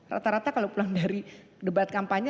rata rata kalau pulang dari debat kampanye